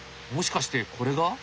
もしかしてこれが？